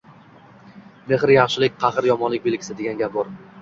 Mehr-yaxshilik, qahr-yomonlik belgisi, degan gap bor.